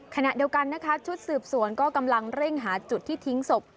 ขณะเดียวกันนะคะชุดสืบสวนก็กำลังเร่งหาจุดที่ทิ้งศพ